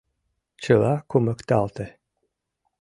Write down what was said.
Чыла кумыкталте.